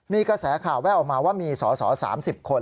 มีกระแสข่าวแววออกมาว่ามีสอสอ๓๐คน